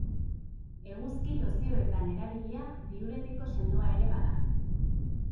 Eguzki-lozioetan erabilia, diuretiko sendoa ere bada.